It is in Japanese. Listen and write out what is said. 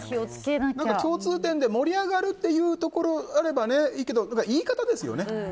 共通点で盛り上がるというところがあればいいけど言い方ですよね。